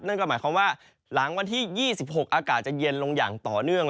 นั่นก็หมายความว่าหลังวันที่๒๖อากาศจะเย็นลงอย่างต่อเนื่อง